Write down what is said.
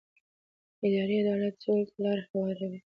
اداري عدالت سولې ته لاره هواروي